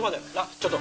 ちょっと。